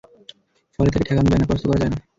ফলে তাঁকে ঠেকানো যায় না, পরাস্ত করা যায় না।